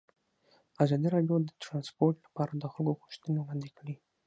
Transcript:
ازادي راډیو د ترانسپورټ لپاره د خلکو غوښتنې وړاندې کړي.